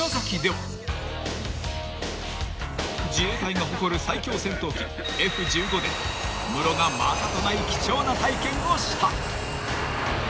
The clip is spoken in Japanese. ［自衛隊が誇る最強戦闘機Ｆ−１５でムロがまたとない貴重な体験をした］